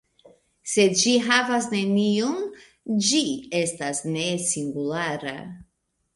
Se ĝi havas neniun, ĝi estas "ne-singulara".